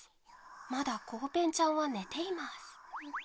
まだコウペンちゃんは寝ています。